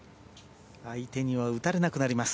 相手には打たれなくなります。